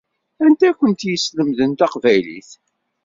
Anta i kent-yeslemden taqbaylit?